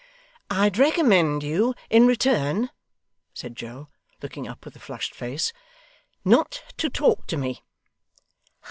'I'd recommend you, in return,' said Joe, looking up with a flushed face, 'not to talk to me.